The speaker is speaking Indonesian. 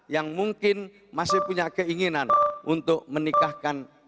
yang mungkin masih punya keinginan untuk menikahkan